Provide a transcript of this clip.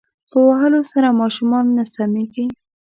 په وهلو سره ماشومان نه سمیږی